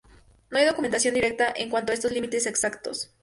No hay documentación directa en cuanto a estos límites exactos.